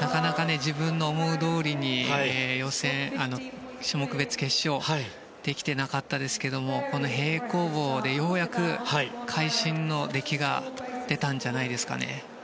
なかなか自分の思いどおりに種目別決勝ができていませんでしたがこの平行棒でようやく会心の出来が出たんじゃないですかね。